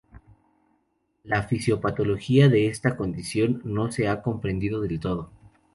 La fisiopatología de esta condición no se ha comprendido del todo.